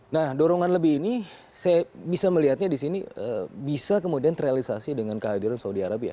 nah dorongan lebih ini saya bisa melihatnya di sini bisa kemudian terrealisasi dengan kehadiran saudi arabia